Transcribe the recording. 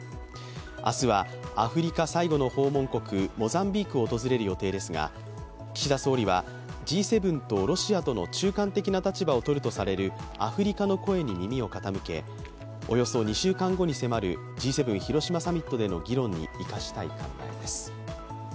明日はアフリカ最後の訪問国モザンビークを訪れる予定ですが岸田総理はＧ７とロシアとの中間的な立場をとるとされるアフリカの声に耳を傾けおよそ２週間後に迫るＧ７広島サミットでの議論に生かしたい考えです。